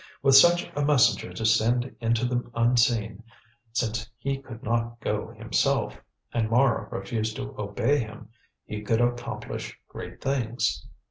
With such a messenger to send into the Unseen, since he could not go himself and Mara refused to obey him, he could accomplish great things.